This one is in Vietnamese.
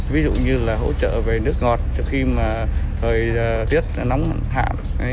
ví dụ như là hỗ trợ về nước ngọt cho khi mà thời tiết nóng hạ